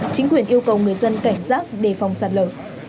chính quyền yêu cầu người dân cảnh giác đề phòng sạt lở